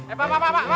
eh pak pak pak